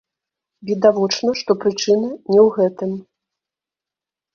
Відавочна, што прычына не ў гэтым.